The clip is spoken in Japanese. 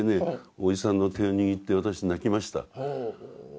おじさんの手を握って私泣きました。